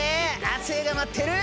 亜生が待ってる。